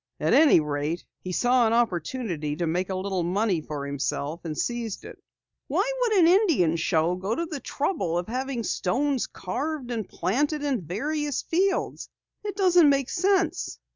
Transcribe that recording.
At any rate, he saw an opportunity to make a little money for himself and seized it." "Why should an Indian show go to the trouble of having stones carved and planted in various fields? It doesn't make sense."